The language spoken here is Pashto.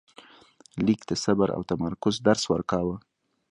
لیک د صبر او تمرکز درس ورکاوه.